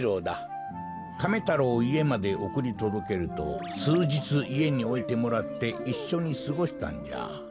カメ太郎をいえまでおくりとどけるとすうじついえにおいてもらっていっしょにすごしたんじゃ。